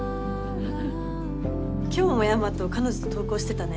今日も大和彼女と登校してたね